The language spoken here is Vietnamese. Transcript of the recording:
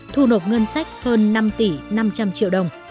thu nộp ngân sách hơn năm tỷ năm trăm linh triệu đồng